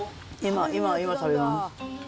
今、食べます。